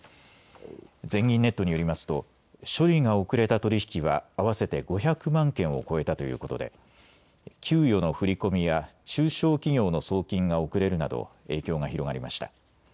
全銀ネットによりますと処理が遅れた取り引きは合わせて５００万件を超えたということで給与の振り込みや中小企業の送金が遅れるなど影響が広がりました。